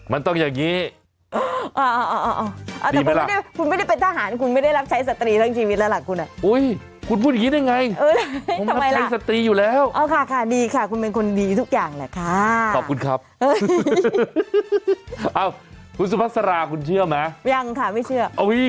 ครับเอ้ยเอ้าคุณสุภาษาลาคุณเชื่อไหมยังค่ะไม่เชื่อโอ้ย